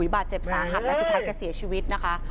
บาดเจ็บสาหัสและสุดท้ายก็เสียชีวิตนะคะ